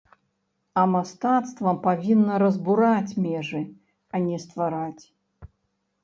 А мастацтва павінна разбураць межы, а не ствараць.